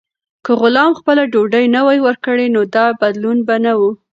که غلام خپله ډوډۍ نه وای ورکړې، نو دا بدلون به نه و.